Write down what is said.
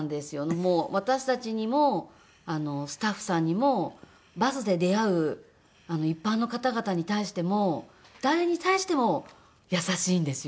もう私たちにもスタッフさんにもバスで出会う一般の方々に対しても誰に対しても優しいんですよ。